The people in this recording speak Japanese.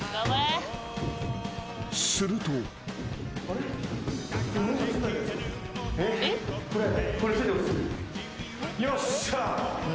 ［すると］よっしゃ。